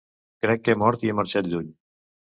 Crec que he mort i he marxat lluny.